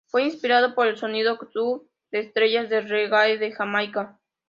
Fue inspirado por el "sonido dub de estrellas del reggae de Jamaica.